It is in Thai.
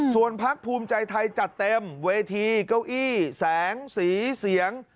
ส่วนพักภูมิใจไทยจัดเต็มเวทีเก้าอี้แสงสีเสียง